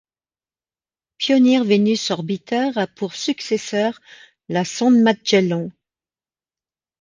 Pioneer Venus Orbiter a pour successeur la sonde Magellan.